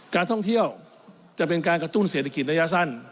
การท่องเที่ยวจะเป็นการกระตุ้นเศรษฐกิจระยะสั้น